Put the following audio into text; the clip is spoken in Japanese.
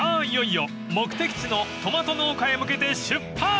いよいよ目的地のトマト農家へ向けて出発！］